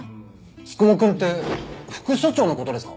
九十九くんって副署長の事ですか？